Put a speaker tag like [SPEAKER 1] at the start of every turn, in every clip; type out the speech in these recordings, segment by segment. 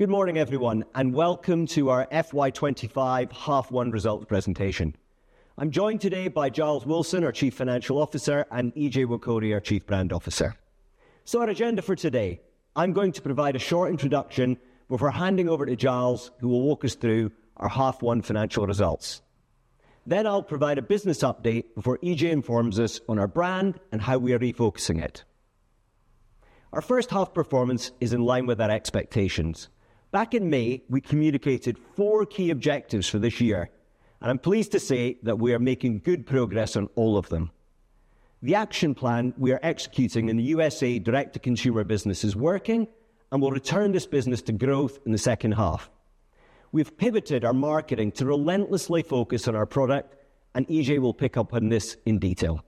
[SPEAKER 1] Good morning, everyone, and welcome to our FY 2025 Half One results presentation. I'm joined today by Giles Wilson, our Chief Financial Officer, and Ije Nwokorie, our Chief Brand Officer. Our agenda for today: I'm going to provide a short introduction before handing over to Giles, who will walk us through our Half One financial results. Then I'll provide a business update before Ije informs us on our brand and how we are refocusing it. Our first half performance is in line with our expectations. Back in May, we communicated four key objectives for this year, and I'm pleased to say that we are making good progress on all of them. The action plan we are executing in the USA direct-to-consumer business is working, and we'll return this business to growth in the second half. We've pivoted our marketing to relentlessly focus on our product, and Ije will pick up on this in detail.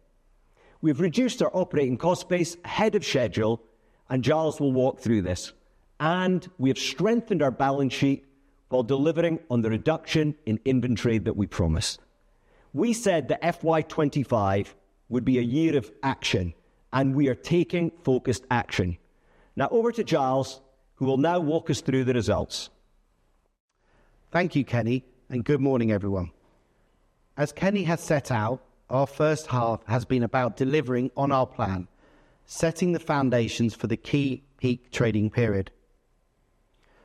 [SPEAKER 1] We've reduced our operating cost base ahead of schedule, and Giles will walk through this. And we have strengthened our balance sheet while delivering on the reduction in inventory that we promised. We said that FY 2025 would be a year of action, and we are taking focused action. Now, over to Giles, who will now walk us through the results.
[SPEAKER 2] Thank you, Kenny, and good morning, everyone. As Kenny has set out, our first half has been about delivering on our plan, setting the foundations for the key peak trading period.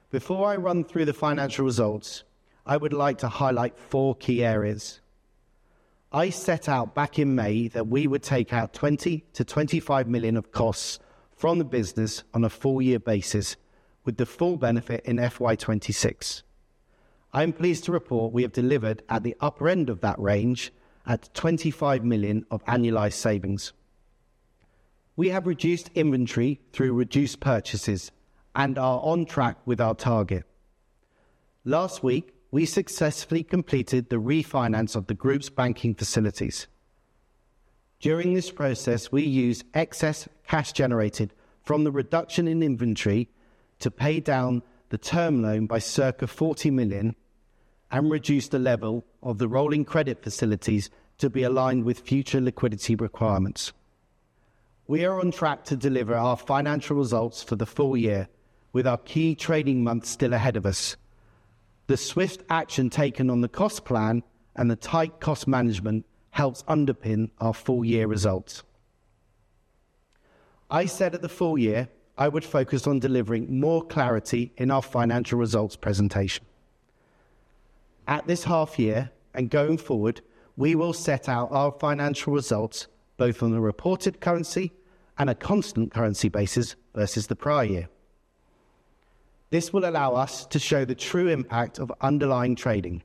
[SPEAKER 2] Before I run through the financial results, I would like to highlight four key areas. I set out back in May that we would take out £20 million-£25 million of costs from the business on a four-year basis, with the full benefit in FY 2026. I'm pleased to report we have delivered at the upper end of that range, at £25 million of annualized savings. We have reduced inventory through reduced purchases and are on track with our target. Last week, we successfully completed the refinance of the Group's banking facilities. During this process, we used excess cash generated from the reduction in inventory to pay down the term loan by circa 40 million and reduce the level of the rolling credit facilities to be aligned with future liquidity requirements. We are on track to deliver our financial results for the full year, with our key trading months still ahead of us. The swift action taken on the cost plan and the tight cost management helps underpin our full-year results. I said at the full year I would focus on delivering more clarity in our financial results presentation. At this half year and going forward, we will set out our financial results both on the reported currency and a constant currency basis versus the prior year. This will allow us to show the true impact of underlying trading,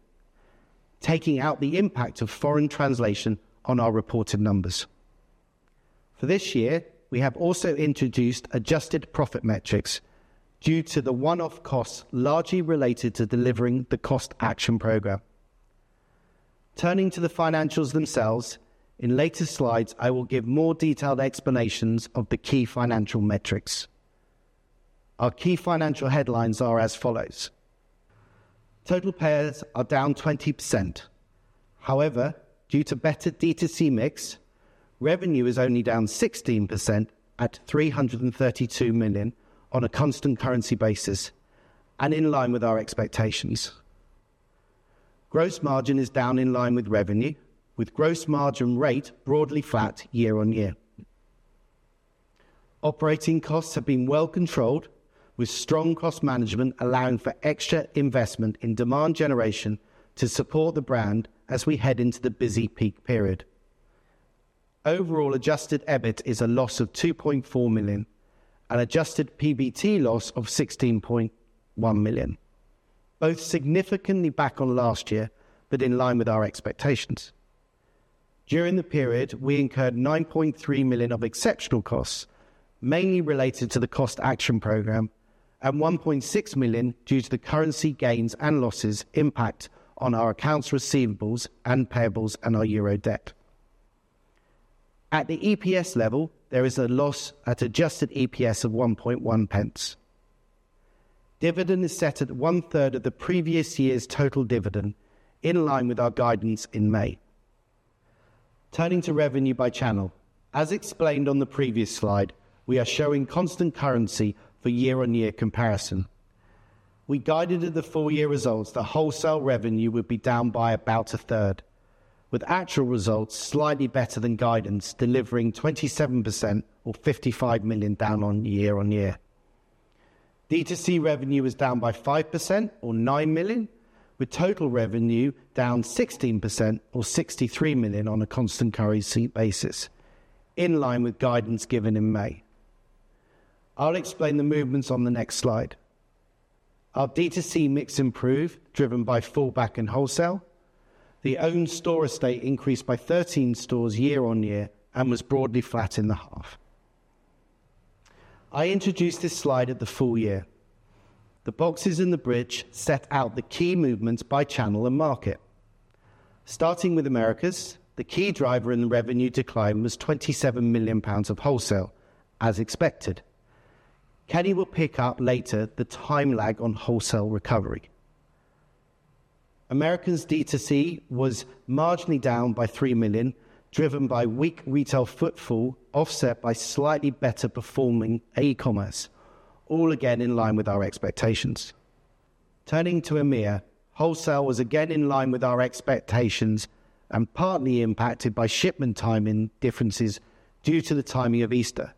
[SPEAKER 2] taking out the impact of foreign translation on our reported numbers. For this year, we have also introduced adjusted profit metrics due to the one-off costs largely related to delivering the cost action plan. Turning to the financials themselves, in later slides, I will give more detailed explanations of the key financial metrics. Our key financial headlines are as follows: Total payers are down 20%. However, due to better DTC mix, revenue is only down 16% at 332 million on a constant currency basis, and in line with our expectations. Gross margin is down in line with revenue, with gross margin rate broadly flat year-on-year. Operating costs have been well controlled, with strong cost management allowing for extra investment in demand generation to support the brand as we head into the busy peak period. Overall adjusted EBIT is a loss of 2.4 million and adjusted PBT loss of 16.1 million, both significantly back on last year, but in line with our expectations. During the period, we incurred 9.3 million of exceptional costs, mainly related to the cost action program, and 1.6 million due to the currency gains and losses impact on our accounts receivables and payables and our euro debt. At the EPS level, there is a loss at adjusted EPS of 0.011. Dividend is set at one-third of the previous year's total dividend, in line with our guidance in May. Turning to revenue by channel, as explained on the previous slide, we are showing constant currency for year-on-year comparison. We guided at the full-year results that wholesale revenue would be down by about a third, with actual results slightly better than guidance, delivering 27% or 55 million down on year-on-year. D2C revenue is down by 5% or 9 million, with total revenue down 16% or 63 million on a constant currency basis, in line with guidance given in May. I'll explain the movements on the next slide. Our D2C mix improved, driven by fallback and wholesale. The owned store estate increased by 13 stores year-on-year and was broadly flat in the half. I introduced this slide at the full year. The boxes in the bridge set out the key movements by channel and market. Starting with Americas, the key driver in the revenue decline was 27 million pounds of wholesale, as expected. Kenny will pick up later the time lag on wholesale recovery. Americas D2C was marginally down by 3 million, driven by weak retail footfall offset by slightly better performing e-commerce, all again in line with our expectations. Turning to EMEA, wholesale was again in line with our expectations and partly impacted by shipment timing differences due to the timing of Easter.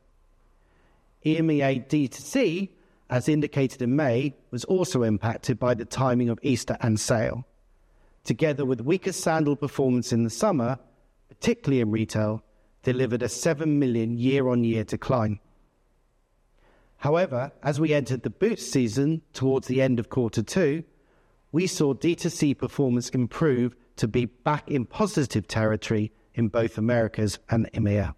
[SPEAKER 2] EMEA D2C, as indicated in May, was also impacted by the timing of Easter and sale. Together with weaker sandal performance in the summer, particularly in retail, delivered a 7 million year-on-year decline. However, as we entered the boot season towards the end of Q2, we saw D2C performance improve to be back in positive territory in both Americas and EMEA.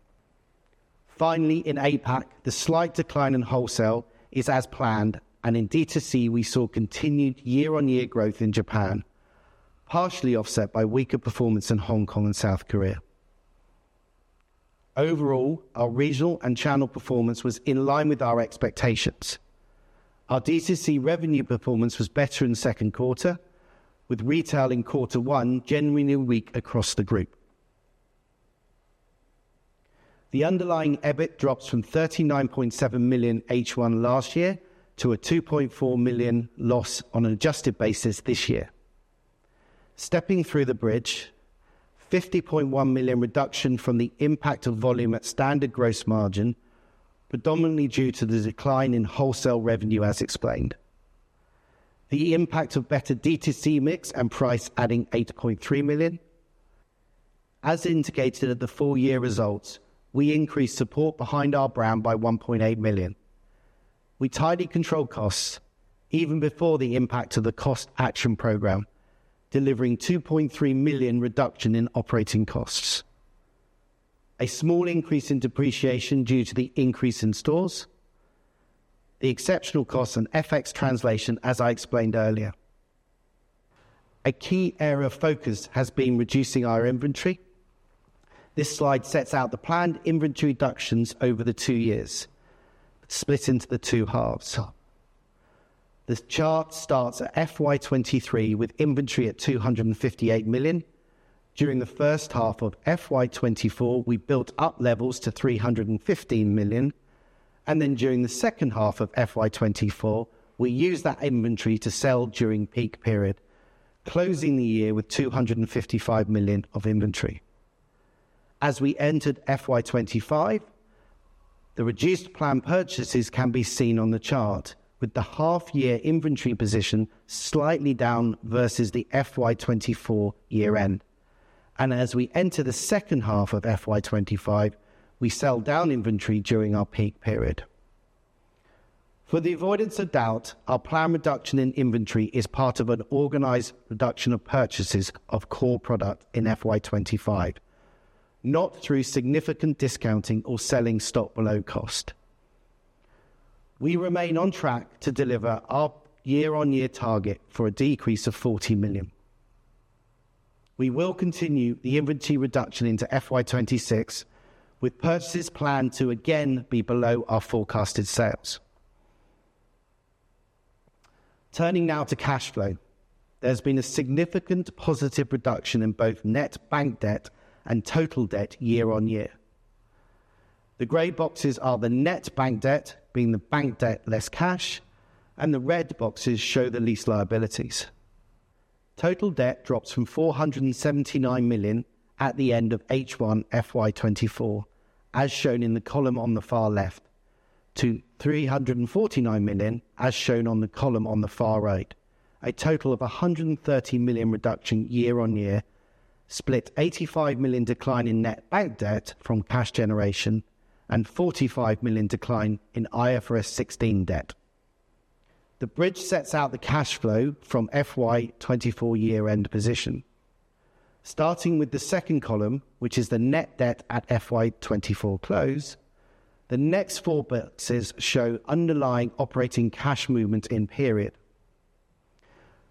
[SPEAKER 2] Finally, in APAC, the slight decline in wholesale is as planned, and in D2C, we saw continued year-on-year growth in Japan, partially offset by weaker performance in Hong Kong and South Korea. Overall, our regional and channel performance was in line with our expectations. Our D2C revenue performance was better in the second quarter, with retail in Q1 genuinely weak across the group. The underlying EBIT drops from 39.7 million H1 last year to a 2.4 million loss on an adjusted basis this year. Stepping through the bridge, 50.1 million reduction from the impact of volume at standard gross margin, predominantly due to the decline in wholesale revenue, as explained. The impact of better D2C mix and price adding 8.3 million. As indicated at the full-year results, we increased support behind our brand by 1.8 million. We tightly controlled costs even before the impact of the cost action program, delivering 2.3 million reduction in operating costs. A small increase in depreciation due to the increase in stores. The exceptional costs and FX translation, as I explained earlier. A key area of focus has been reducing our inventory. This slide sets out the planned inventory reductions over the two years, split into the two halves. The chart starts at FY 2023 with inventory at 258 million. During the first half of FY 2024, we built up levels to 315 million. And then during the second half of FY 2024, we used that inventory to sell during peak period, closing the year with 255 million of inventory. As we entered FY 2025, the reduced plan purchases can be seen on the chart, with the half-year inventory position slightly down versus the FY 2024 year-end. And as we enter the second half of FY 2025, we sell down inventory during our peak period. For the avoidance of doubt, our plan reduction in inventory is part of an organized reduction of purchases of core product in FY 2025, not through significant discounting or selling stock below cost. We remain on track to deliver our year-on-year target for a decrease of 40 million. We will continue the inventory reduction into FY 2026, with purchases planned to again be below our forecasted sales. Turning now to cash flow, there's been a significant positive reduction in both net bank debt and total debt year-on-year. The gray boxes are the net bank debt, being the bank debt less cash, and the red boxes show the lease liabilities. Total debt drops from £479 million at the end of H1 FY 2024, as shown in the column on the far left, to £349 million, as shown on the column on the far right, a total of £130 million reduction year-on-year, split £85 million decline in net bank debt from cash generation and £45 million decline in IFRS 16 debt. The bridge sets out the cash flow from FY 2024 year-end position. Starting with the second column, which is the net debt at FY 2024 close, the next four boxes show underlying operating cash movement in period.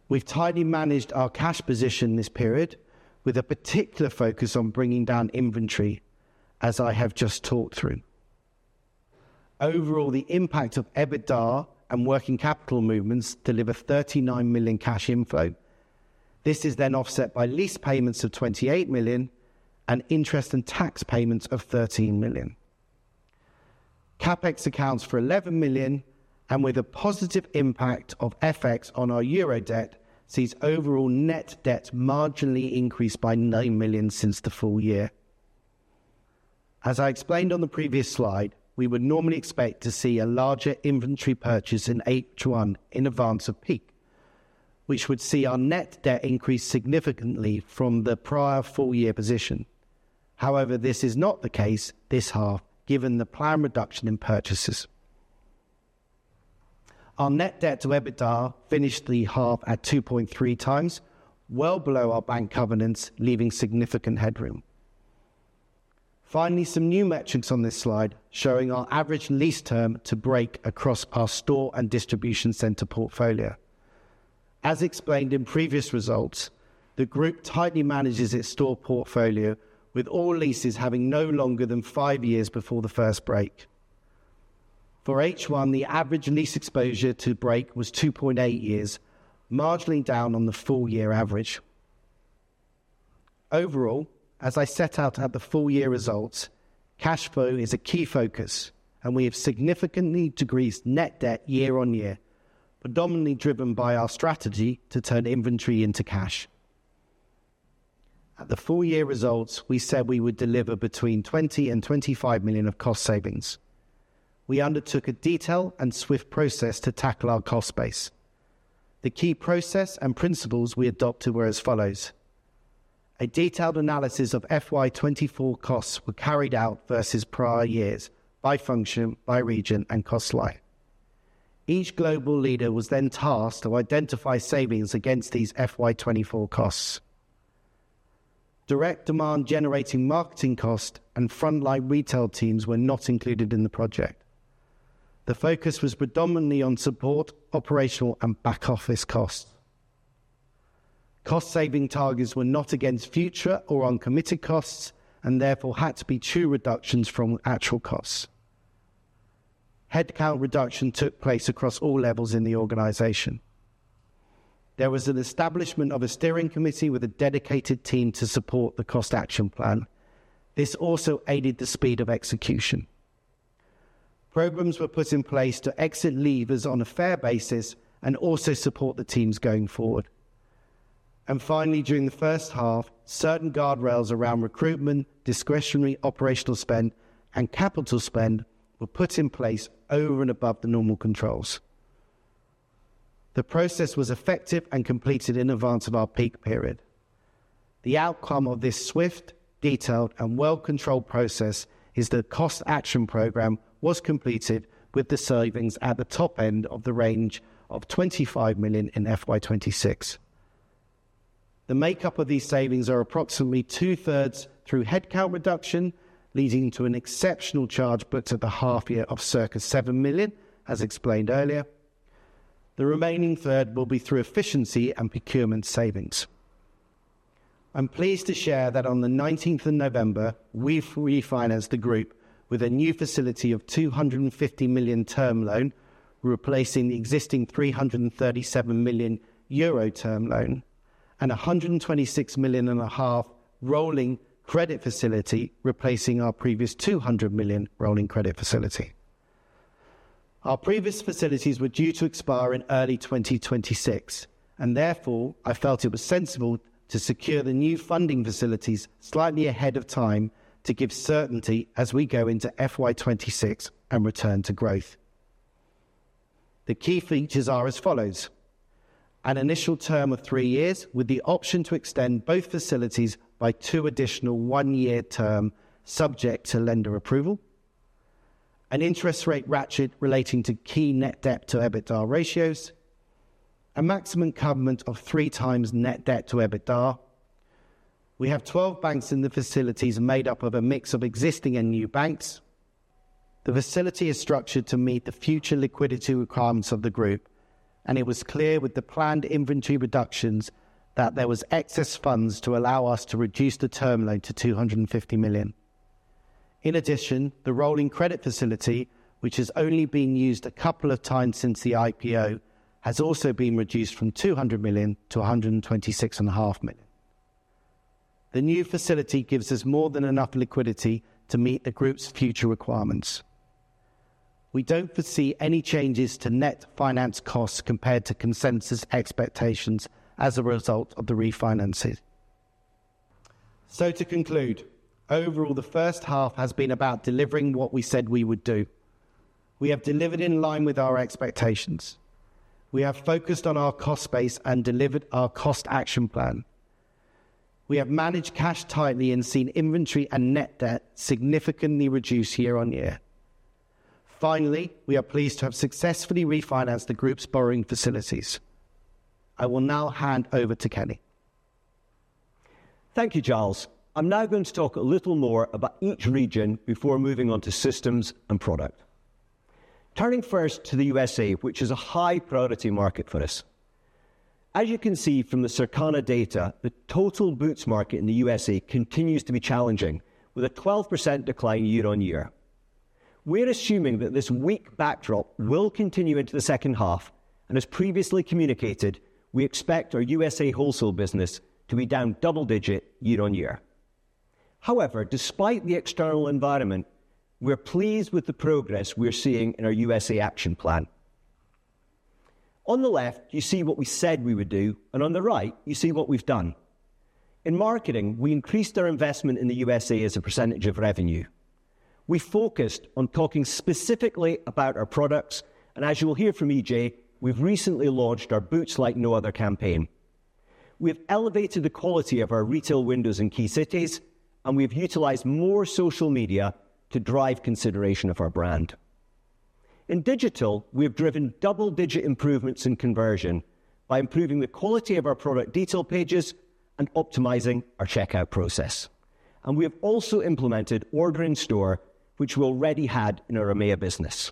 [SPEAKER 2] We've tightly managed our cash position this period, with a particular focus on bringing down inventory, as I have just talked through. Overall, the impact of EBITDA and working capital movements deliver 39 million cash inflow. This is then offset by lease payments of 28 million and interest and tax payments of 13 million. CapEx accounts for 11 million, and with a positive impact of FX on our euro debt, sees overall net debt marginally increased by 9 million since the full year. As I explained on the previous slide, we would normally expect to see a larger inventory purchase in H1 in advance of peak, which would see our net debt increase significantly from the prior full-year position. However, this is not the case this half, given the planned reduction in purchases. Our net debt to EBITDA finished the half at 2.3x, well below our bank covenants, leaving significant headroom. Finally, some new metrics on this slide showing our average lease term to break across our store and distribution center portfolio. As explained in previous results, the Group tightly manages its store portfolio, with all leases having no longer than five years before the first break. For H1, the average lease exposure to break was 2.8 years, marginally down on the full-year average. Overall, as I set out at the full-year results, cash flow is a key focus, and we have significantly decreased net debt year-on-year, predominantly driven by our strategy to turn inventory into cash. At the full-year results, we said we would deliver between 20 and 25 million of cost savings. We undertook a detailed and swift process to tackle our cost base. The key process and principles we adopted were as follows. A detailed analysis of FY 2024 costs was carried out versus prior years by function, by region, and cost line. Each global leader was then tasked to identify savings against these FY 2024 costs. Direct demand generating marketing costs and frontline retail teams were not included in the project. The focus was predominantly on support, operational, and back office costs. Cost saving targets were not against future or uncommitted costs and therefore had to be true reductions from actual costs. Headcount reduction took place across all levels in the organization. There was an establishment of a steering committee with a dedicated team to support the Cost Action Plan. This also aided the speed of execution. Programs were put in place to exit levers on a fair basis and also support the teams going forward. Finally, during the first half, certain guardrails around recruitment, discretionary operational spend, and capital spend were put in place over and above the normal controls. The process was effective and completed in advance of our peak period. The outcome of this swift, detailed, and well-controlled process is that cost action program was completed with the savings at the top end of the range of 25 million in FY 2026. The makeup of these savings are approximately two-thirds through headcount reduction, leading to an exceptional charge booked at the half year of circa 7 million, as explained earlier. The remaining third will be through efficiency and procurement savings. I'm pleased to share that on the 19th of November, we've refinanced the Group with a new facility of 250 million term loan, replacing the existing 337 million euro term loan and 126.5 million rolling credit facility, replacing our previous 200 million rolling credit facility. Our previous facilities were due to expire in early 2026, and therefore I felt it was sensible to secure the new funding facilities slightly ahead of time to give certainty as we go into FY 2026 and return to growth. The key features are as follows: an initial term of three years with the option to extend both facilities by two additional one-year terms subject to lender approval, an interest rate ratchet relating to key net debt to EBITDA ratios, a maximum covenant of 3x net debt to EBITDA. We have 12 banks in the facilities made up of a mix of existing and new banks. The facility is structured to meet the future liquidity requirements of the Group, and it was clear with the planned inventory reductions that there was excess funds to allow us to reduce the term loan to 250 million. In addition, the rolling credit facility, which has only been used a couple of times since the IPO, has also been reduced from 200 million to 126.5 million. The new facility gives us more than enough liquidity to meet the Group's future requirements. We don't foresee any changes to net finance costs compared to consensus expectations as a result of the refinancing. So to conclude, overall, the first half has been about delivering what we said we would do. We have delivered in line with our expectations. We have focused on our cost base and delivered our cost action plan. We have managed cash tightly and seen inventory and net debt significantly reduce year-on-year. Finally, we are pleased to have successfully refinanced the Group's borrowing facilities. I will now hand over to Kenny.
[SPEAKER 1] Thank you, Giles. I'm now going to talk a little more about each region before moving on to systems and product. Turning first to the USA, which is a high priority market for us. As you can see from the Circana data, the total boots market in the USA continues to be challenging, with a 12% decline year-on-year. We're assuming that this weak backdrop will continue into the second half, and as previously communicated, we expect our USA wholesale business to be down double-digit year-on-year. However, despite the external environment, we're pleased with the progress we're seeing in our USA action plan. On the left, you see what we said we would do, and on the right, you see what we've done. In marketing, we increased our investment in the USA as a percentage of revenue. We focused on talking specifically about our products, and as you will hear from Ije, we've recently launched our Boots Like No Other campaign. We've elevated the quality of our retail windows in key cities, and we've utilized more social media to drive consideration of our brand. In digital, we've driven double-digit improvements in conversion by improving the quality of our product detail pages and optimizing our checkout process. And we have also implemented Order in Store, which we already had in our EMEA business.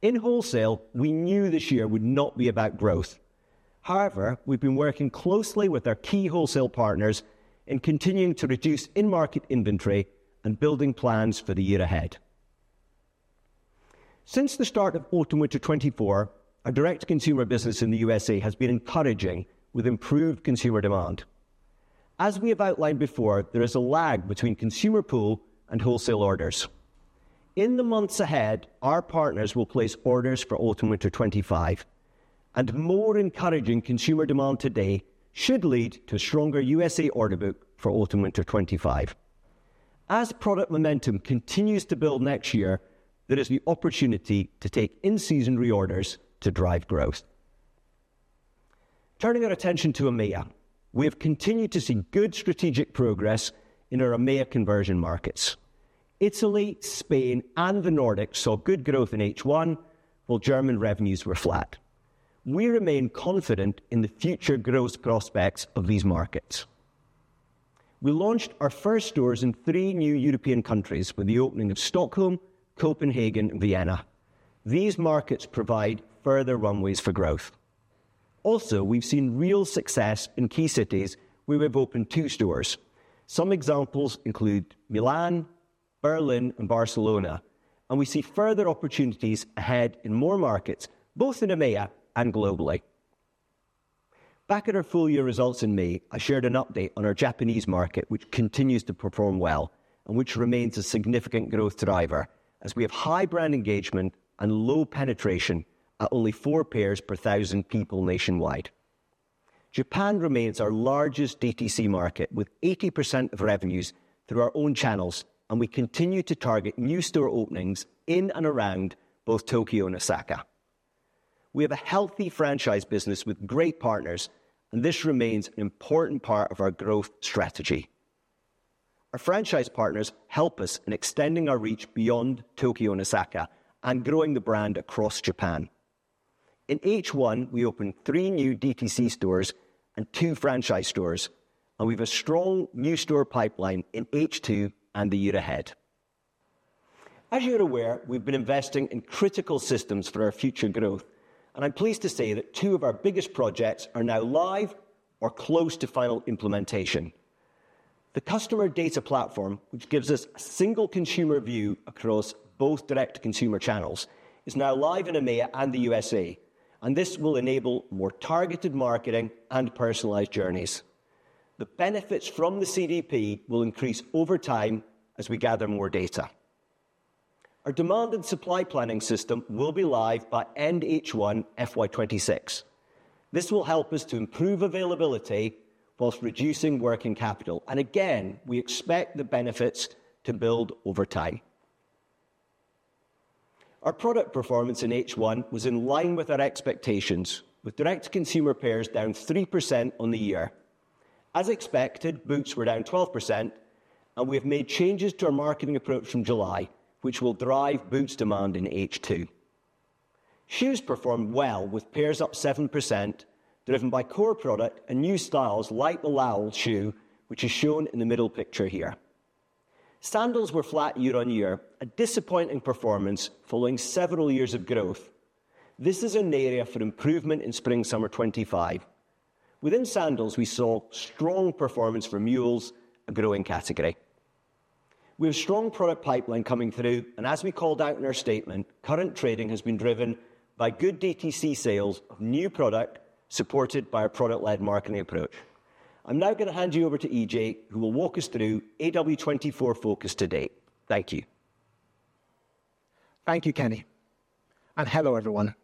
[SPEAKER 1] In wholesale, we knew this year would not be about growth. However, we've been working closely with our key wholesale partners in continuing to reduce in-market inventory and building plans for the year ahead. Since the start of Autumn Winter 2024, our direct consumer business in the USA has been encouraging with improved consumer demand. As we have outlined before, there is a lag between consumer pull and wholesale orders. In the months ahead, our partners will place orders for Autumn Winter 2025, and more encouraging consumer demand today should lead to a stronger USA order book for Autumn Winter 2025. As product momentum continues to build next year, there is the opportunity to take in-season reorders to drive growth. Turning our attention to EMEA, we have continued to see good strategic progress in our EMEA conversion markets. Italy, Spain, and the Nordics saw good growth in H1, while German revenues were flat. We remain confident in the future growth prospects of these markets. We launched our first stores in three new European countries with the opening of Stockholm, Copenhagen, and Vienna. These markets provide further runways for growth. Also, we've seen real success in key cities where we've opened two stores. Some examples include Milan, Berlin, and Barcelona, and we see further opportunities ahead in more markets, both in EMEA and globally. Back at our full-year results in May, I shared an update on our Japanese market, which continues to perform well and which remains a significant growth driver as we have high brand engagement and low penetration at only four pairs per thousand people nationwide. Japan remains our largest DTC market with 80% of revenues through our own channels, and we continue to target new store openings in and around both Tokyo and Osaka. We have a healthy franchise business with great partners, and this remains an important part of our growth strategy. Our franchise partners help us in extending our reach beyond Tokyo and Osaka and growing the brand across Japan. In H1, we opened three new DTC stores and two franchise stores, and we have a strong new store pipeline in H2 and the year ahead. As you're aware, we've been investing in critical systems for our future growth, and I'm pleased to say that two of our biggest projects are now live or close to final implementation. The customer data platform, which gives us a single consumer view across both direct consumer channels, is now live in EMEA and the USA, and this will enable more targeted marketing and personalized journeys. The benefits from the CDP will increase over time as we gather more data. Our demand and supply planning system will be live by end H1 FY 2026. This will help us to improve availability while reducing working capital, and again, we expect the benefits to build over time. Our product performance in H1 was in line with our expectations, with direct consumer pairs down 3% on the year. As expected, boots were down 12%, and we have made changes to our marketing approach from July, which will drive boots demand in H2. Shoes performed well with pairs up 7%, driven by core product and new styles like the Lowell shoe, which is shown in the middle picture here. Sandals were flat year-on-year, a disappointing performance following several years of growth. This is an area for improvement in spring-summer 2025. Within sandals, we saw strong performance for mules, a growing category. We have a strong product pipeline coming through, and as we called out in our statement, current trading has been driven by good DTC sales of new product supported by our product-led marketing approach. I'm now going to hand you over to Ije, who will walk us through AW24 focus today. Thank you.
[SPEAKER 3] Thank you, Kenny. And hello, everyone.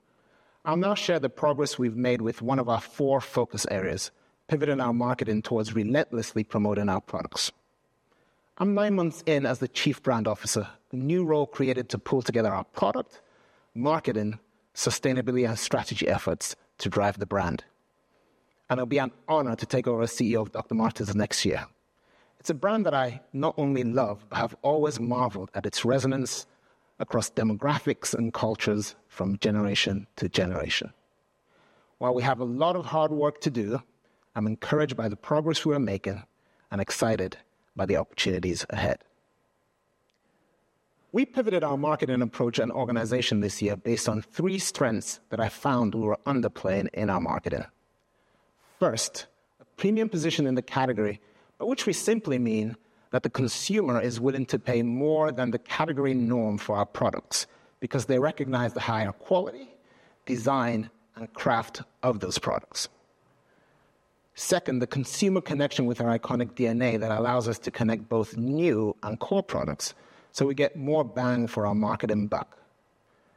[SPEAKER 3] I'll now share the progress we've made with one of our four focus areas, pivoting our marketing towards relentlessly promoting our products. I'm nine months in as the Chief Brand Officer, the new role created to pull together our product, marketing, sustainability, and strategy efforts to drive the brand. And it'll be an honor to take over as CEO of Dr. Martens next year. It's a brand that I not only love, but have always marveled at its resonance across demographics and cultures from generation to generation. While we have a lot of hard work to do, I'm encouraged by the progress we are making and excited by the opportunities ahead. We pivoted our marketing approach and organization this year based on three strengths that I found we were underplaying in our marketing. First, a premium position in the category, by which we simply mean that the consumer is willing to pay more than the category norm for our products because they recognize the higher quality, design, and craft of those products. Second, the consumer connection with our iconic DNA that allows us to connect both new and core products, so we get more bang for our marketing buck.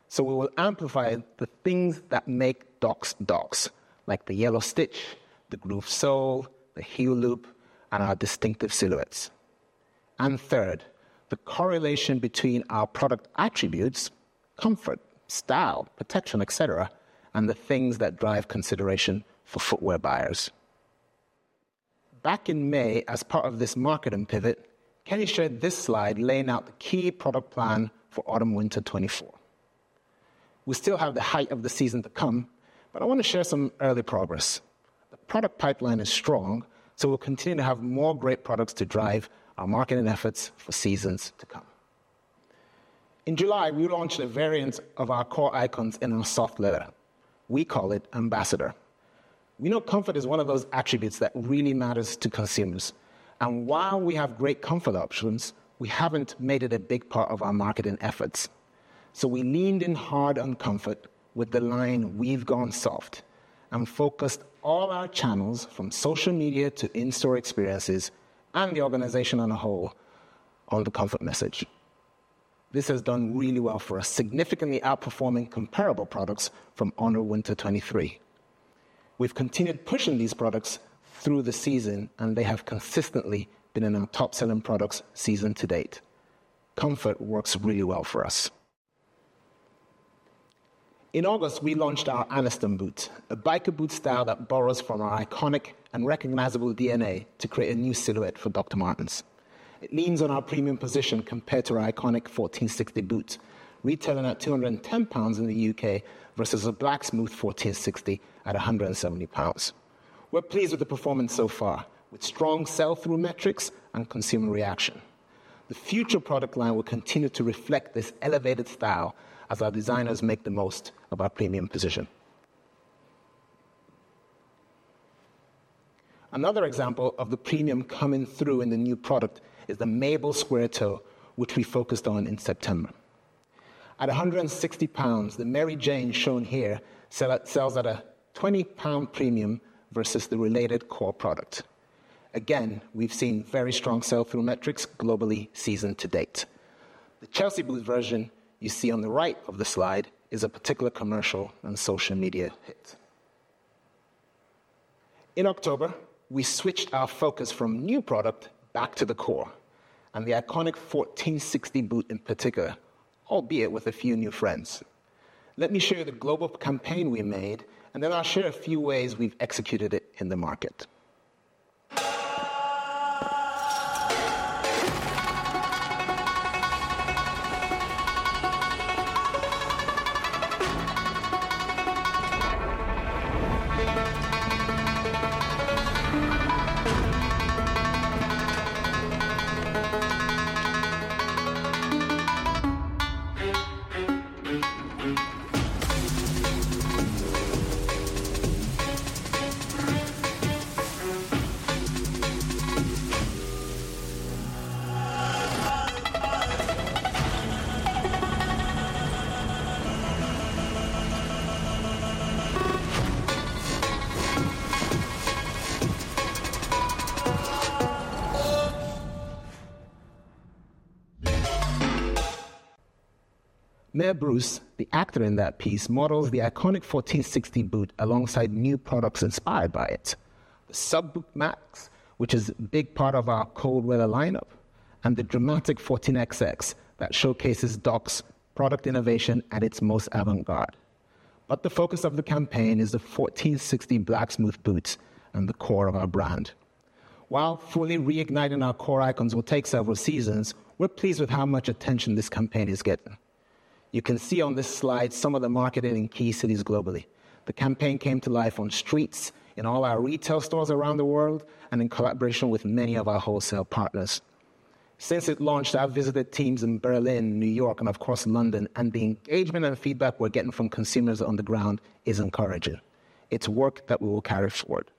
[SPEAKER 3] So we will amplify the things that make Doc's Docs, like the yellow stitch, the groove sole, the heel loop, and our distinctive silhouettes. And third, the correlation between our product attributes, comfort, style, protection, etc., and the things that drive consideration for footwear buyers. Back in May, as part of this marketing pivot, Kenny shared this slide laying out the key product plan for Autumn Winter 2024. We still have the height of the season to come, but I want to share some early progress. The product pipeline is strong, so we'll continue to have more great products to drive our marketing efforts for seasons to come. In July, we launched a variant of our core icons in our soft leather. We call it Ambassador. We know comfort is one of those attributes that really matters to consumers. And while we have great comfort options, we haven't made it a big part of our marketing efforts. So we leaned in hard on comfort with the line We've Gone Soft and focused all our channels from social media to in-store experiences and the organization as a whole on the comfort message. This has done really well for us, significantly outperforming comparable products from Autumn/Winter 2023. We've continued pushing these products through the season, and they have consistently been in our top-selling products season to date. Comfort works really well for us. In August, we launched our Anistone boot, a biker boot style that borrows from our iconic and recognizable DNA to create a new silhouette for Dr. Martens. It leans on our premium position compared to our iconic 1460 boot, retailing at 210 pounds in the UK versus a black smooth 1460 at 170 pounds. We're pleased with the performance so far, with strong sell-through metrics and consumer reaction. The future product line will continue to reflect this elevated style as our designers make the most of our premium position. Another example of the premium coming through in the new product is the Maybole Square Toe, which we focused on in September. At 160 pounds, the Mary Jane shown here sells at a 20 pound premium versus the related core product. Again, we've seen very strong sell-through metrics globally season to date. The Chelsea Boots version you see on the right of the slide is a particular commercial and social media hit. In October, we switched our focus from new product back to the core and the iconic 1460 boot in particular, albeit with a few new friends. Let me share the global campaign we made, and then I'll share a few ways we've executed it in the market. Mia Bruce, the actor in that piece, models the iconic 1460 boot alongside new products inspired by it, the Sub Boot, which is a big part of our cold weather lineup, and the dramatic 14XX that showcases Doc's product innovation at its most avant-garde, but the focus of the campaign is the 1460 black smooth boots and the core of our brand. While fully reigniting our core icons will take several seasons, we're pleased with how much attention this campaign is getting. You can see on this slide some of the marketing in key cities globally. The campaign came to life on streets, in all our retail stores around the world, and in collaboration with many of our wholesale partners. Since it launched, I've visited teams in Berlin, New York, and of course London, and the engagement and feedback we're getting from consumers on the ground is encouraging. It's work that we will carry forward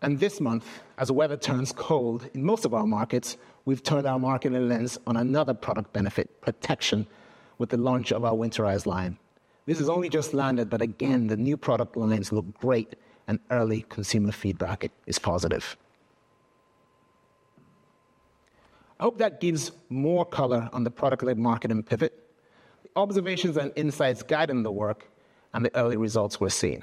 [SPEAKER 3] and this month, as the weather turns cold in most of our markets, we've turned our marketing lens on another product benefit, protection, with the launch of our Winterize line. This has only just landed, but again, the new product lines look great and early consumer feedback is positive. I hope that gives more color on the product-led marketing pivot, the observations and insights guiding the work, and the early results we're seeing.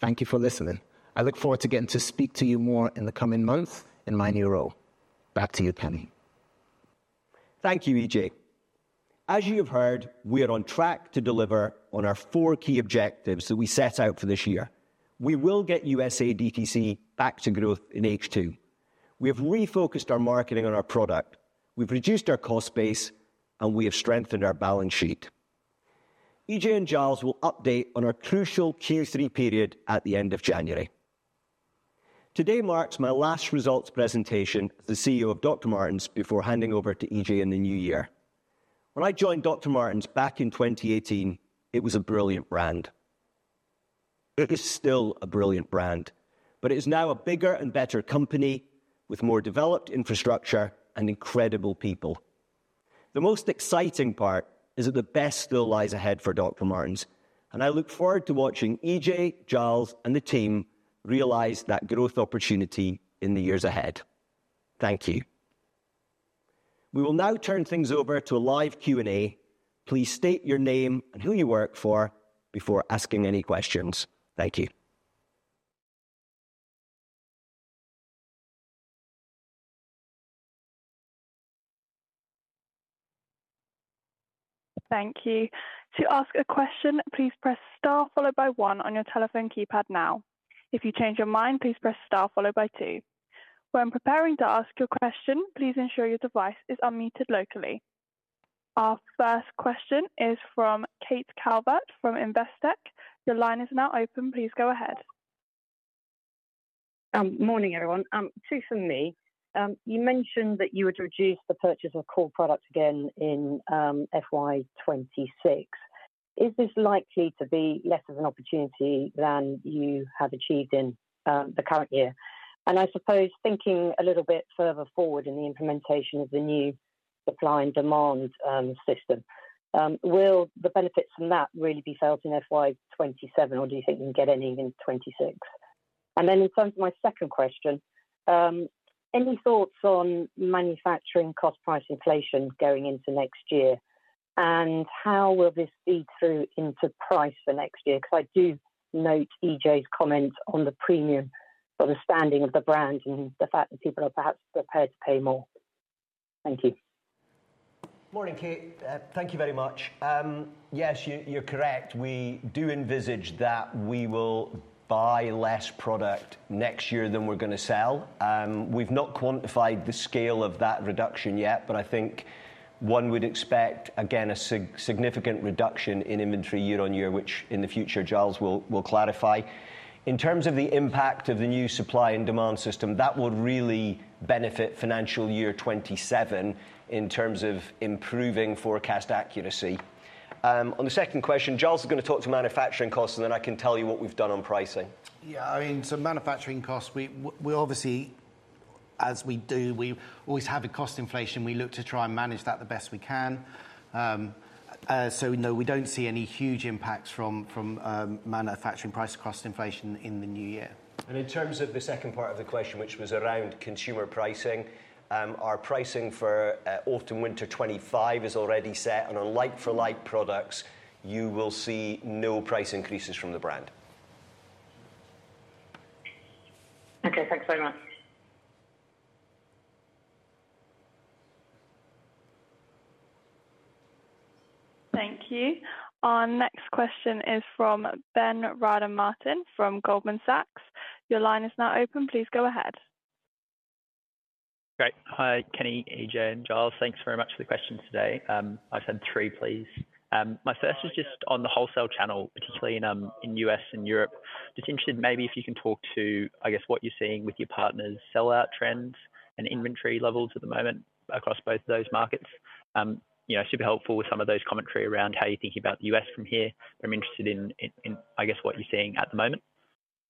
[SPEAKER 3] Thank you for listening. I look forward to getting to speak to you more in the coming months in my new role. Back to you, Kenny.
[SPEAKER 1] Thank you, Ije. As you've heard, we are on track to deliver on our four key objectives that we set out for this year. We will get USA DTC back to growth in H2. We have refocused our marketing on our product. We've reduced our cost base, and we have strengthened our balance sheet. Ije and Giles will update on our crucial Q3 period at the end of January. Today marks my last results presentation as the CEO of Dr. Martens before handing over to Ije in the new year. When I joined Dr. Martens back in 2018, it was a brilliant brand. It is still a brilliant brand, but it is now a bigger and better company with more developed infrastructure and incredible people. The most exciting part is that the best still lies ahead for Dr. Martens, and I look forward to watching Ije, Giles, and the team realize that growth opportunity in the years ahead. Thank you. We will now turn things over to a live Q&A. Please state your name and who you work for before asking any questions. Thank you.
[SPEAKER 4] Thank you. To ask a question, please press star followed by one on your telephone keypad now. If you change your mind, please press star followed by two. When preparing to ask your question, please ensure your device is unmuted locally. Our first question is from Kate Calvert from Investec. Your line is now open. Please go ahead.
[SPEAKER 5] Morning, everyone. Two from me. You mentioned that you would reduce the purchase of core products again in FY 2026. Is this likely to be less of an opportunity than you have achieved in the current year? And I suppose thinking a little bit further forward in the implementation of the new supply and demand system, will the benefits from that really be felt in 2027, or do you think you can get any in 2026? And then in terms of my second question, any thoughts on manufacturing cost price inflation going into next year? And how will this feed through into price for next year? Because I do note Ije's comment on the premium for the standing of the brand and the fact that people are perhaps prepared to pay more. Thank you.
[SPEAKER 1] Morning, Kate. Thank you very much. Yes, you're correct. We do envisage that we will buy less product next year than we're going to sell. We've not quantified the scale of that reduction yet, but I think one would expect, again, a significant reduction in inventory year-on-year, which in the future, Giles will clarify. In terms of the impact of the new supply and demand system, that would really benefit financial year 2027 in terms of improving forecast accuracy. On the second question, Giles is going to talk to manufacturing costs, and then I can tell you what we've done on pricing.
[SPEAKER 2] Yeah, I mean, so manufacturing costs, we obviously, as we do, we always have a cost inflation. We look to try and manage that the best we can. So no, we don't see any huge impacts from manufacturing price cost inflation in the new year. And in terms of the second part of the question, which was around consumer pricing, our pricing for Autumn Winter 2025 is already set. And on like-for-like products, you will see no price increases from the brand.
[SPEAKER 5] Okay, thanks very much.
[SPEAKER 4] Thank you. Our next question is from Ben Rada Martin from Goldman Sachs. Your line is now open. Please go ahead.
[SPEAKER 6] Great. Hi, Kenny, Ije, and Giles. Thanks very much for the questions today. I've had three, please. My first is just on the wholesale channel, particularly in the U.S. and Europe. Just interested maybe if you can talk to, I guess, what you're seeing with your partners' sell-out trends and inventory levels at the moment across both of those markets. Super helpful with some of those commentary around how you're thinking about the U.S. from here. But I'm interested in, I guess, what you're seeing at the moment.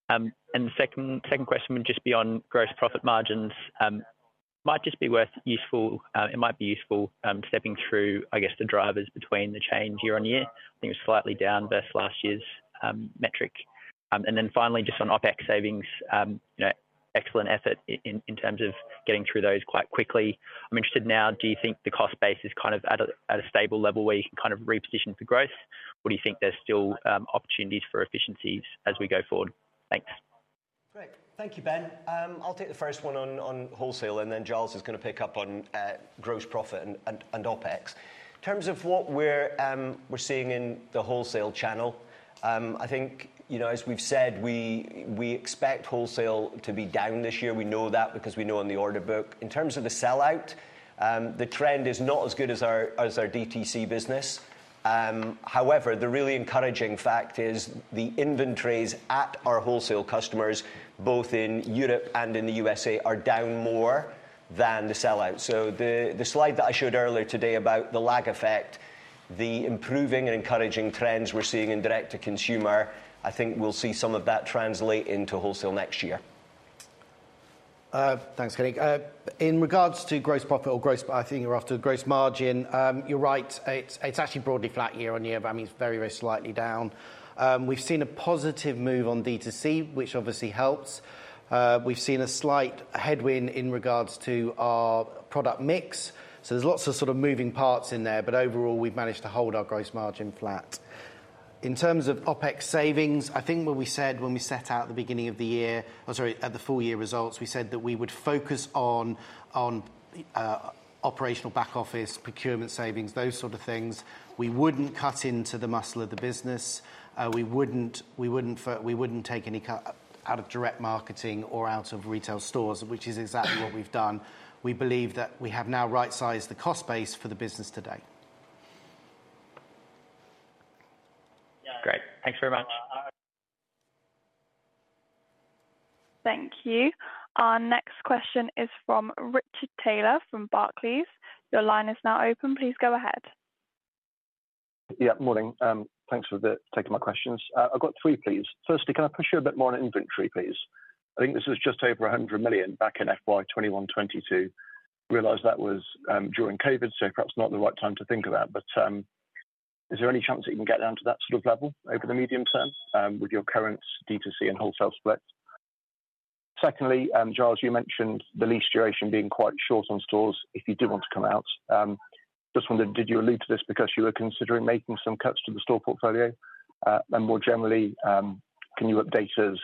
[SPEAKER 6] And the second question would just be on gross profit margins. It might be useful stepping through, I guess, the drivers between the change year-on-year. I think it was slightly down versus last year's metric. And then finally, just on OpEx savings, excellent effort in terms of getting through those quite quickly. I'm interested now, do you think the cost base is kind of at a stable level where you can kind of reposition for growth? Or do you think there's still opportunities for efficiencies as we go forward? Thanks.
[SPEAKER 1] Great. Thank you, Ben. I'll take the first one on wholesale, and then Giles is going to pick up on gross profit and OpEx. In terms of what we're seeing in the wholesale channel, I think, as we've said, we expect wholesale to be down this year. We know that because we know on the order book. In terms of the sell-out, the trend is not as good as our DTC business. However, the really encouraging fact is the inventories at our wholesale customers, both in Europe and in the USA, are down more than the sell-out. So the slide that I showed earlier today about the lag effect, the improving and encouraging trends we're seeing in direct-to-consumer, I think we'll see some of that translate into wholesale next year.
[SPEAKER 2] Thanks, Kenny. In regards to gross profit or gross, I think you're after gross margin, you're right. It's actually broadly flat year-on-year, but I mean, it's very, very slightly down. We've seen a positive move on DTC, which obviously helps. We've seen a slight headwind in regards to our product mix. So there's lots of sort of moving parts in there, but overall, we've managed to hold our gross margin flat. In terms of OpEx savings, I think what we said when we set out at the beginning of the year, or sorry, at the full year results, we said that we would focus on operational back office, procurement savings, those sort of things. We wouldn't cut into the muscle of the business. We wouldn't take any cut out of direct marketing or out of retail stores, which is exactly what we've done. We believe that we have now right-sized the cost base for the business today.
[SPEAKER 6] Great. Thanks very much.
[SPEAKER 4] Thank you. Our next question is from Richard Taylor from Barclays. Your line is now open. Please go ahead.
[SPEAKER 7] Yeah, morning. Thanks for taking my questions. I've got three, please. Firstly, can I push you a bit more on inventory, please? I think this was just over 100 million back in FY 2021-2022. I realize that was during COVID, so perhaps not the right time to think about, but is there any chance that you can get down to that sort of level over the medium term with your current DTC and wholesale split? Secondly, Giles, you mentioned the lease duration being quite short on stores if you do want to come out. Just wondered, did you allude to this because you were considering making some cuts to the store portfolio? And more generally, can you update us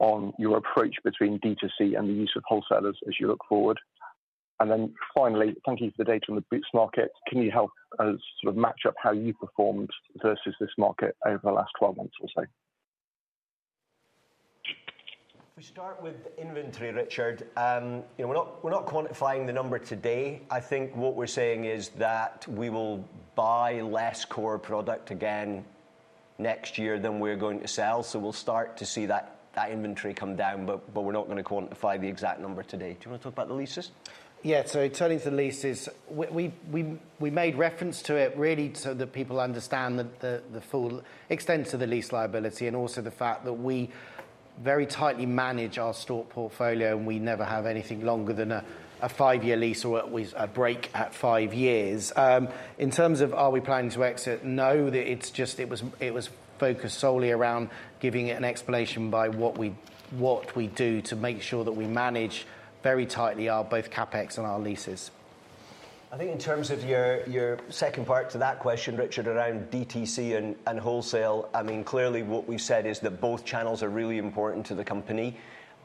[SPEAKER 7] on your approach between DTC and the use of wholesalers as you look forward? And then finally, thank you for the data on the boots market. Can you help us sort of match up how you performed versus this market over the last 12 months or so?
[SPEAKER 1] If we start with inventory, Richard, we're not quantifying the number today. I think what we're saying is that we will buy less core product again next year than we're going to sell. So we'll start to see that inventory come down, but we're not going to quantify the exact number today. Do you want to talk about the leases?
[SPEAKER 2] Yeah, so turning to the leases, we made reference to it really so that people understand the full extent of the lease liability and also the fact that we very tightly manage our store portfolio and we never have anything longer than a five-year lease or a break at five years. In terms of are we planning to exit, no, it was focused solely around giving it an explanation by what we do to make sure that we manage very tightly our both CapEx and our leases.
[SPEAKER 1] I think in terms of your second part to that question, Richard, around DTC and wholesale, I mean, clearly what we've said is that both channels are really important to the company.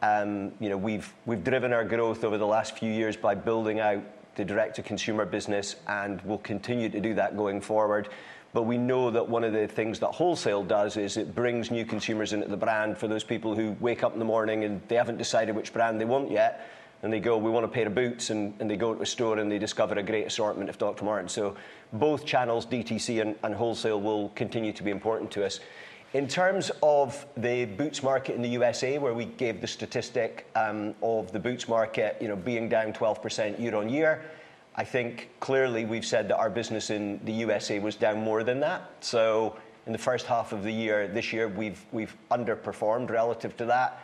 [SPEAKER 1] We've driven our growth over the last few years by building out the direct-to-consumer business, and we'll continue to do that going forward. But we know that one of the things that wholesale does is it brings new consumers into the brand for those people who wake up in the morning and they haven't decided which brand they want yet. And they go, "We want to buy the boots," and they go to a store and they discover a great assortment of Dr. Martens. So both channels, DTC and wholesale, will continue to be important to us. In terms of the boots market in the USA, where we gave the statistic of the boots market being down 12% year-on-year, I think clearly we've said that our business in the USA was down more than that. So in the first half of the year this year, we've underperformed relative to that.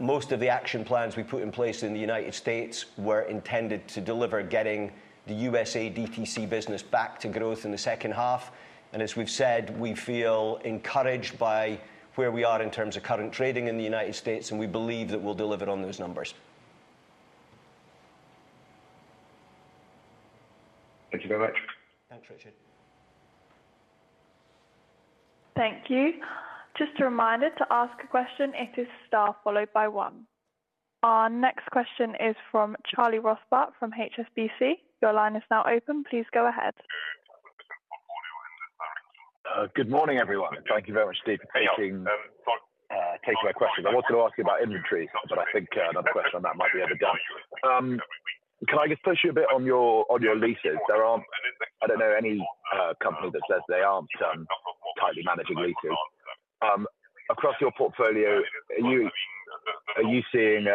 [SPEAKER 1] Most of the action plans we put in place in the United States were intended to deliver getting the USA DTC business back to growth in the second half. And as we've said, we feel encouraged by where we are in terms of current trading in the United States, and we believe that we'll deliver on those numbers.
[SPEAKER 7] Thank you very much.
[SPEAKER 1] Thanks, Richard.
[SPEAKER 4] Thank you. Just a reminder to ask a question. It is star followed by one. Our next question is from Charlie Rothbarth from HSBC. Your line is now open. Please go ahead.
[SPEAKER 8] Good morning, everyone. Thank you very much for taking my question. I wanted to ask you about inventory, but I think another question on that might be a bit different. Can I just push you a bit on your leases? I don't know any company that says they aren't tightly managing leases. Across your portfolio, are you seeing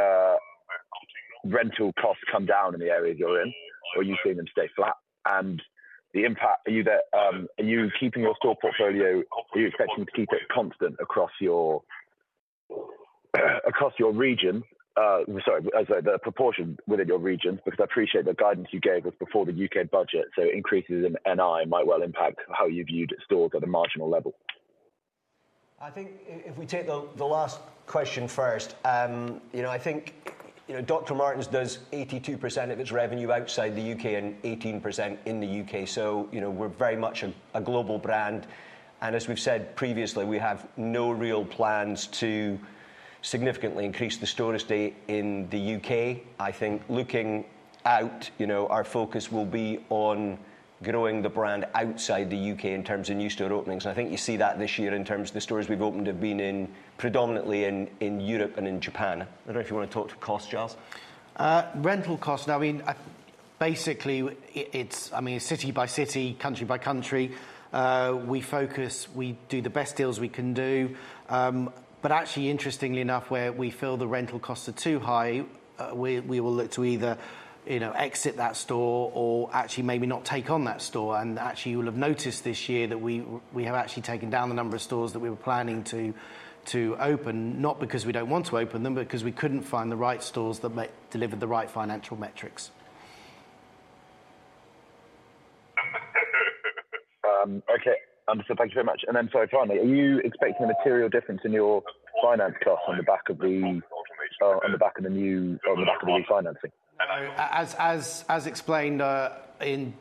[SPEAKER 8] rental costs come down in the areas you're in? Are you seeing them stay flat? And the impact, are you keeping your store portfolio? Are you expecting to keep it constant across your region? Sorry, the proportion within your region, because I appreciate the guidance you gave us before the UK budget. So increases in NI might well impact how you viewed stores at a marginal level.
[SPEAKER 1] I think if we take the last question first. I think Dr. Martens does 82% of its revenue outside the UK and 18% in the UK. So we're very much a global brand, and as we've said previously, we have no real plans to significantly increase the store estate in the UK. I think looking out, our focus will be on growing the brand outside the UK in terms of new store openings. I think you see that this year in terms of the stores we've opened have been predominantly in Europe and in Japan. I don't know if you want to talk to costs, Giles.
[SPEAKER 2] Rental costs, I mean, basically, it's city by city, country by country. We focus, we do the best deals we can do. But actually, interestingly enough, where we feel the rental costs are too high, we will look to either exit that store or actually maybe not take on that store. Actually, you will have noticed this year that we have actually taken down the number of stores that we were planning to open, not because we don't want to open them, but because we couldn't find the right stores that delivered the right financial metrics.
[SPEAKER 8] Okay, understood. Thank you very much. And then so finally, are you expecting a material difference in your finance cost on the back of the new refinancing?
[SPEAKER 2] As explained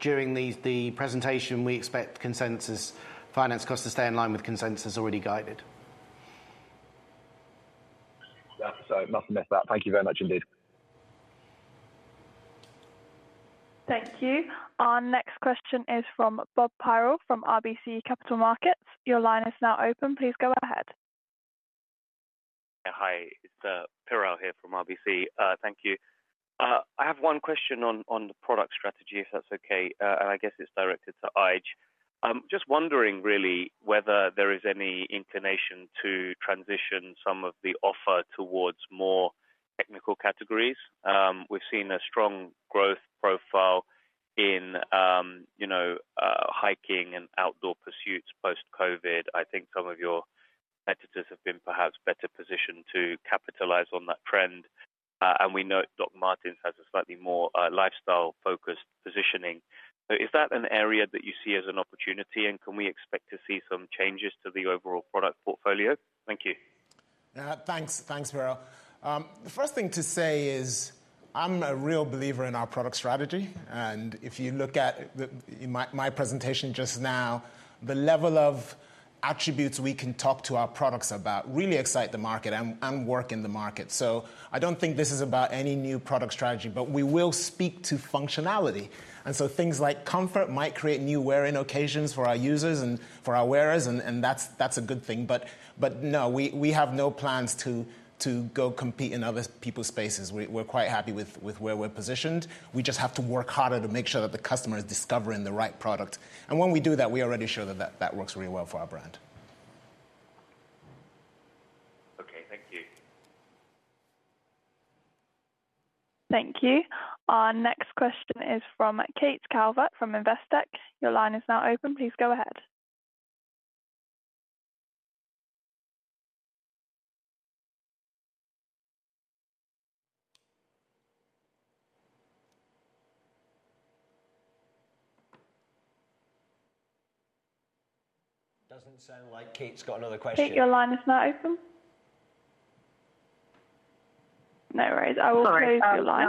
[SPEAKER 2] during the presentation, we expect consensus finance costs to stay in line with consensus already guided.
[SPEAKER 8] Sorry, must admit that. Thank you very much indeed.
[SPEAKER 4] Thank you. Our next question is from Bob Piral from RBC Capital Markets. Your line is now open. Please go ahead.
[SPEAKER 9] Hi, it's Piral here from RBC. Thank you. I have one question on the product strategy, if that's okay. And I guess it's directed to Ije. Just wondering really whether there is any inclination to transition some of the offer towards more technical categories. We've seen a strong growth profile in hiking and outdoor pursuits post-COVID. I think some of your editors have been perhaps better positioned to capitalize on that trend. And we know Dr. Martens has a slightly more lifestyle-focused positioning. Is that an area that you see as an opportunity? And can we expect to see some changes to the overall product portfolio? Thank you.
[SPEAKER 3] Thanks, Piral. The first thing to say is I'm a real believer in our product strategy. And if you look at my presentation just now, the level of attributes we can talk to our products about really excite the market and work in the market. So I don't think this is about any new product strategy, but we will speak to functionality. And so things like comfort might create new wear-on occasions for our users and for our wearers, and that's a good thing. But no, we have no plans to go compete in other people's spaces. We're quite happy with where we're positioned. We just have to work harder to make sure that the customer is discovering the right product. And when we do that, we are already sure that that works really well for our brand. Okay, thank you.
[SPEAKER 4] Thank you. Our next question is from Kate Calvert from Investec. Your line is now open. Please go ahead.
[SPEAKER 1] Doesn't sound like Kate's got another question.
[SPEAKER 4] Your line is now open. No worries. I will close your line.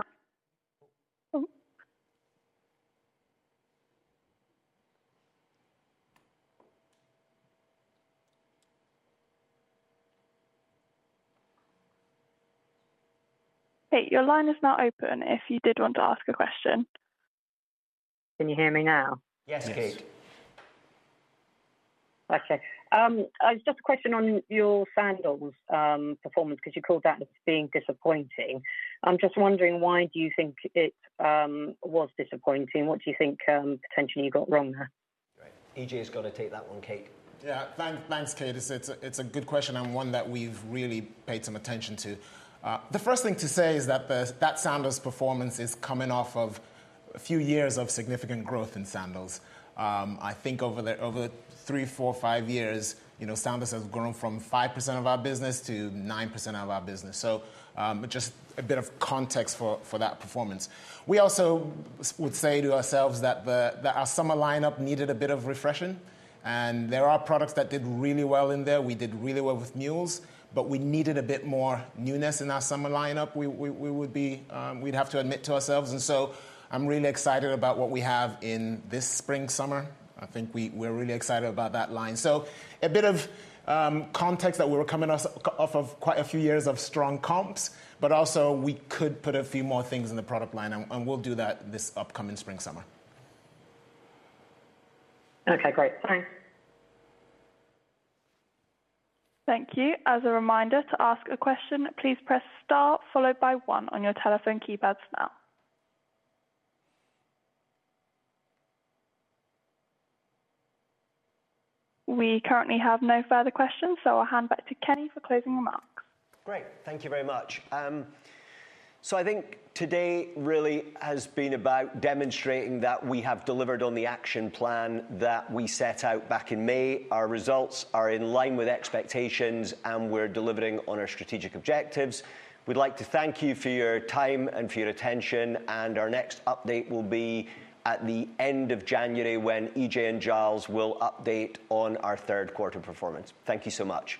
[SPEAKER 4] Kate, your line is now open if you did want to ask a question.
[SPEAKER 5] Can you hear me now?
[SPEAKER 1] Yes, Kate.
[SPEAKER 5] Okay. I was just questioning on your sandals performance because you called that as being disappointing. I'm just wondering, why do you think it was disappointing? What do you think potentially you got wrong there? Ije's got to take that one, Kate.
[SPEAKER 3] Yeah, thanks, Kate. It's a good question and one that we've really paid some attention to. The first thing to say is that the sandals performance is coming off of a few years of significant growth in sandals. I think over three, four, five years, sandals have grown from 5% of our business to 9% of our business, so just a bit of context for that performance. We also would say to ourselves that our summer lineup needed a bit of refreshing, and there are products that did really well in there. We did really well with mules, but we needed a bit more newness in our summer lineup. We would have to admit to ourselves, and so I'm really excited about what we have in this spring-summer. I think we're really excited about that line. So a bit of context that we were coming off of quite a few years of strong comps, but also we could put a few more things in the product line, and we'll do that this upcoming spring-summer.
[SPEAKER 4] Okay, great. Thanks. Thank you. As a reminder to ask a question, please press star followed by one on your telephone keypads now. We currently have no further questions, so I'll hand back to Kenny for closing remarks.
[SPEAKER 1] Great. Thank you very much. So I think today really has been about demonstrating that we have delivered on the action plan that we set out back in May. Our results are in line with expectations, and we're delivering on our strategic objectives. We'd like to thank you for your time and for your attention.
[SPEAKER 2] Our next update will be at the end of January when Ije and Giles will update on our third quarter performance. Thank you so much.